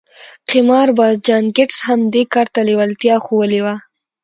قمارباز جان ګيټس هم دې کار ته لېوالتيا ښوولې وه.